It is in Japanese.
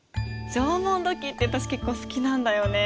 縄文土器って私結構好きなんだよね。